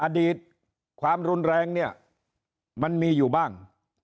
อดีตความรุนแรงเนี่ยมันมีอยู่บ้าง